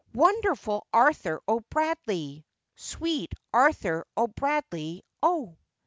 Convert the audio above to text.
wonderful Arthur O'Bradley! Sweet Arthur O'Bradley, O!